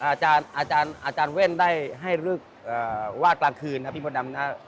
อาจารย์เว่นได้ให้ลึกวาดกลางคืนนะพี่มดดำนะ